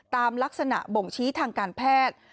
ตามลักษณะบ่งชี้ทางการแพทย์